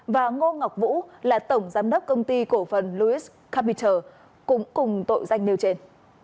và ngô ngọc vũ là tổng giám đốc công ty cổ phần louis capital cũng cùng tội danh nêu trên